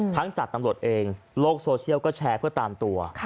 จากตำรวจเองโลกโซเชียลก็แชร์เพื่อตามตัว